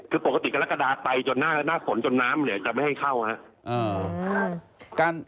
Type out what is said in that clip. คือปกติกรกฎาไปจนหน้าฝนจนน้ำเนี่ยจะไม่ให้เข้าครับ